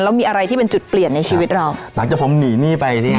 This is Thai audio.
แล้วมีอะไรที่เป็นจุดเปลี่ยนในชีวิตเราหลังจากผมหนีหนี้ไปนี่